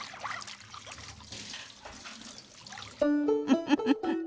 ウフフフ。